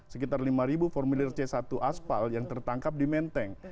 sekitar lima formulir c satu aspal yang tertangkap di menteng